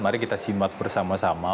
mari kita simak bersama sama